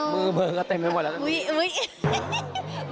มือเบลอเต็มไปหมดแล้ว